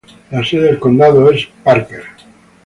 La sede del condado es Parker.